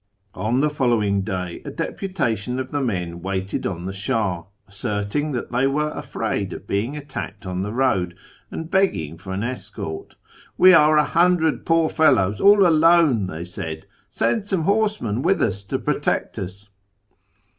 On the following day a dcpntation of tlie men waited on the Sh;ih, asserting that they were afraid of being attacked on the road, and begging for an escort. " We are a hundred poor fellows all alone," they said ;" send some horsemen with us to protect ns